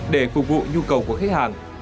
để phục vụ nhu cầu của khách hàng